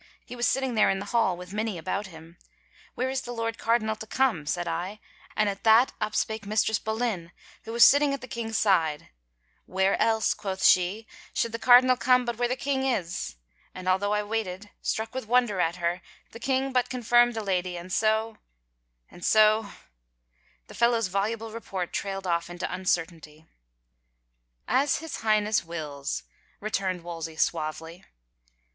He was sitting there in the hall with many about him. * Where is the Lord Cardinal to come ?* said I, and at that up spake Mistress Boleyn, who was sitting at the king's side, 138 THE ENLIGHTENMENT ' Where else/ quoth she, ' should the cardinal come but where the king is ?' and although I waited, struck with wonder at her, the king but confirmed the lady and so — and — so —" the fellow's voluble report trailed off into imcertainty. " As his Highness wills," returned Wolsey suavely.